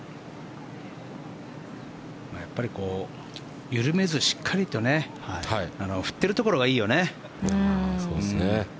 やっぱり緩めずしっかりと振ってるところがいいよね。